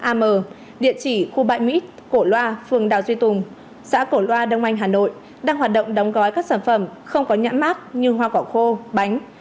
am địa chỉ khu bãi mít cổ loa phường đào duy tùng xã cổ loa đông anh hà nội đang hoạt động đóng gói các sản phẩm không có nhãn mát như hoa quả khô bánh